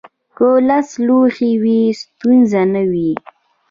که لس لوحې وي، ستونزه نه وي.